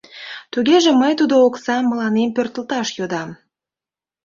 — Тугеже мый тудо оксам мыланем пӧртылташ йодам.